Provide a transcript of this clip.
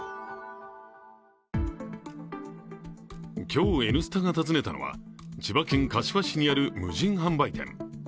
今日、「Ｎスタ」が訪ねたのは千葉県柏市にある無人販売店。